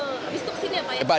betul bisnisnya pak ya